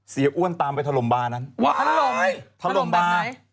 เสียอ้วนตามไปถล่มบาร์นั้นถล่มบาร์